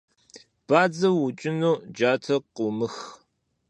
Бадзэ уукӏыну джатэ къыумых.